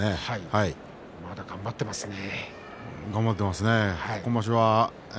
まだ頑張っていますね。